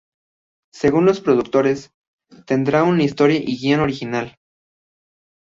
Según los productores tendrá una historia y guión original.